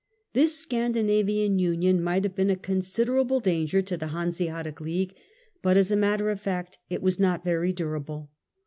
This Scandinavian Union might have been a consider able danger to the Hanseatic League, but as a matter of fact it was not very durable.